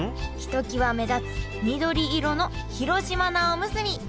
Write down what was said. ひときわ目立つ緑色の広島菜おむすび